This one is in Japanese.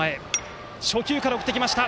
初球から送ってきた。